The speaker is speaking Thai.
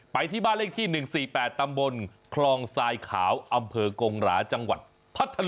ไปที่บ้านเลขที่๑๔๘ตำบลคลองทรายขาวอำเภอกงหราจังหวัดพัทธลุง